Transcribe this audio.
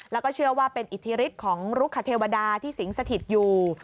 แล้วก็เชื่อว่าเป็นอิทธิฤทธิ์ของรุคเทวดาที่สิงสถิตอยู่